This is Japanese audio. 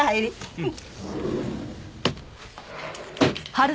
うん。